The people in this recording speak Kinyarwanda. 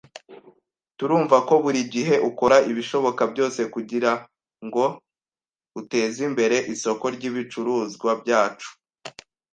Turumva ko burigihe ukora ibishoboka byose kugirango utezimbere isoko ryibicuruzwa byacu.